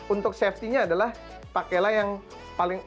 untuk safety nya adalah pakailah yang paling